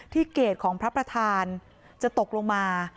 เกรดของพระประธานจะตกลงมา